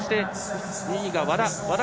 ２位が和田。